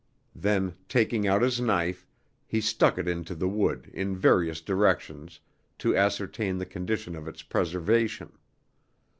Then, taking out his knife, he stuck it into the wood in various directions to ascertain the condition of its preservation.